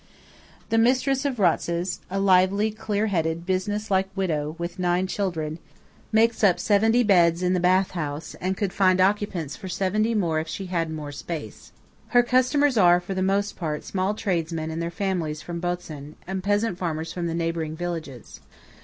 The mistress of Ratzes–a lively, clear headed, business like widow, with nine children–makes up seventy beds in the Bath House, and could find occupants for seventy more if she had more space. Her customers are for the most part small tradesmen and their families from Botzen, and peasant farmers from the neighbouring villages.